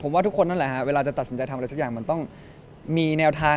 ว่าทุกคนนั่นแหละฮะเวลาจะตัดสินใจทำอะไรสักอย่างมันต้องมีแนวทาง